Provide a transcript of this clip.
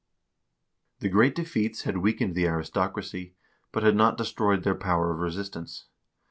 The great defeats had weakened the aristocracy, but had not destroyed their power of resistance.